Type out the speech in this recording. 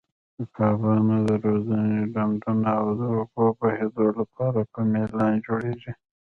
د کبانو د روزنې ډنډونه د اوبو بهېدو لپاره په میلان جوړیږي.